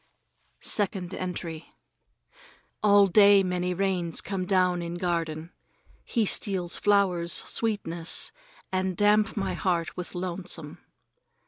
Second Entry ALL day many rains come down in garden. He steals flowers' sweetness and damp my heart with lonesome.